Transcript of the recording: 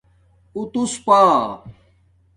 اُوتُوس پݳ